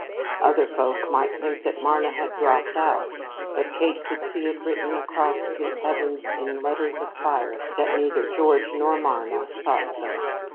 Other folk might think that Marna had "dropped out," but Kate could see it written across the heavens in letters of fire that neither George nor Marna thought so.